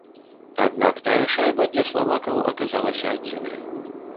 Аднак тая шайба для славакаў аказалася адзінай.